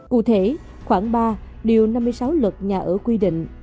cụ thể khoảng ba điều năm mươi sáu luật nhà ở quy định